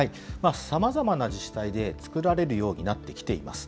さまざまな自治体で、作られるようになってきています。